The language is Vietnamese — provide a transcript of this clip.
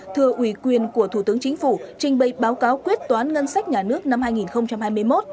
thừa ủy quyền của thủ tướng chính phủ trình bày báo cáo quyết toán ngân sách nhà nước năm hai nghìn hai mươi một